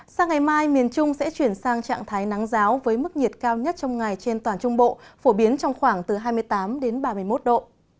sang ngày mai miền trung sẽ chuyển sang trạng thái nắng giáo với mức nhiệt cao nhất trong ngày trên toàn trung bộ phổ biến trong khoảng từ hai mươi tám đến ba mươi một độ